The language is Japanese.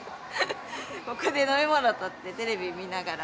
ここで飲み物取って、テレビ見ながら。